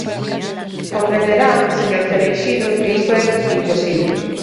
Comprenderá, señor Cereixido, que isto é imposible.